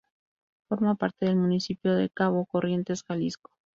Forma parte del municipio de Cabo Corrientes, Jalisco.